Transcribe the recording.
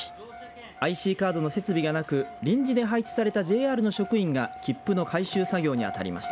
ＩＣカードの設備がなく臨時で配置されたＪＲの職員が切符の回収作業に当たりました。